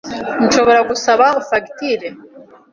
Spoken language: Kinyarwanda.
Nshobora gusaba fagitire?